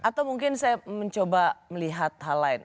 atau mungkin saya mencoba melihat hal lain